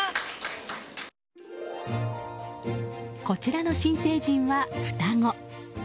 こちらの新成人は、双子。